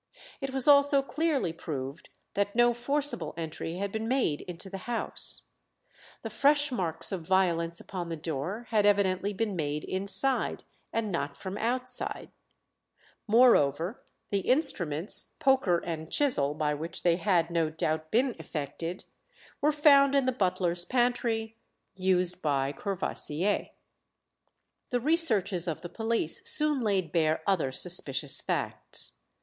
It was also clearly proved that no forcible entry had been made into the house; the fresh marks of violence upon the door had evidently been made inside, and not from outside; moreover, the instruments, poker and chisel, by which they had no doubt been effected, were found in the butler's pantry, used by Courvoisier. The researches of the police soon laid bare other suspicious facts.